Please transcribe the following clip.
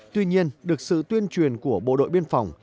tuy nhiên được sự tuyên truyền của bộ đội biên phòng